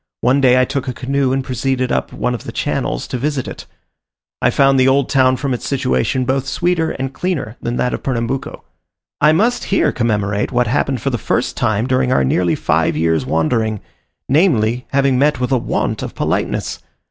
One day I took a canoe, and proceeded up one of the channels to visit it; I found the old town from its situation both sweeter and cleaner than that of Pernambuco. I must here commemorate what happened for the first time during our nearly five years' wandering, namely, having met with a want of politeness.